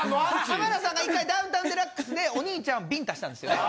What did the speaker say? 浜田さんが一回『ダウンタウンＤＸ』でお兄ちゃんをビンタしたんですよね。